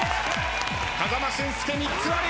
風間俊介３つ割り！